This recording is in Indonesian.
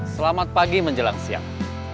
selamat pagi menjelang siang